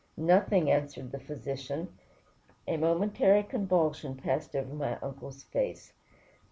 "Nothing," answered the physician. A momentary convulsion passed over my uncle's face.